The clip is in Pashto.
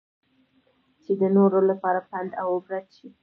چې د نورو لپاره پند اوعبرت شي.